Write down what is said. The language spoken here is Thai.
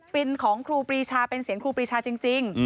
เป็นของครูปรีชาเป็นเสียงครูปรีชาจริง